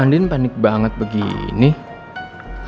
andin panik banget beginiiih